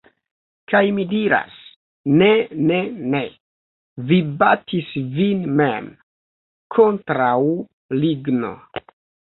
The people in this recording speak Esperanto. Kaj mi diras: "Ne ne ne! Vi batis vin mem! Kontraŭ ligno."